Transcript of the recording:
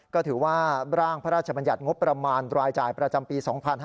ก็ถือว่าร่างพระราชบัญญัติงบประมาณรายจ่ายประจำปี๒๕๕๙